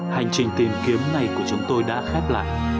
hành trình tìm kiếm này của chúng tôi đã khép lại